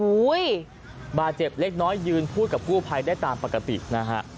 บาดเจ็บเล็กน้อยยืนพูดกับกู้ภัยได้ตามปกตินะฮะ